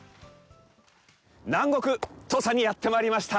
南国・土佐にやってまいりました！